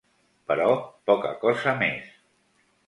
Però poca cosa més.